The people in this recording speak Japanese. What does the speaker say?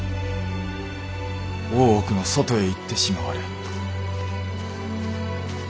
大奥の外へ行ってしまわれ。